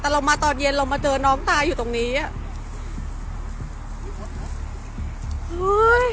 แต่เรามาตอนเย็นเรามาเจอน้องตายอยู่ตรงนี้อ่ะ